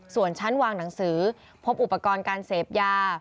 ส่วนชั้นวางหนังสือพบอุปกรณ์การเสพยา